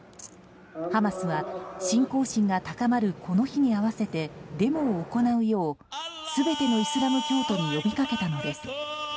ハマスは、信仰心が高まるこの日に合わせてデモを行うよう全てのイスラム教徒に呼びかけたのです。